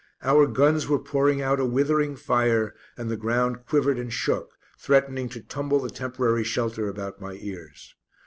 Our guns were pouring out a withering fire, and the ground quivered and shook, threatening to tumble the temporary shelter about my ears.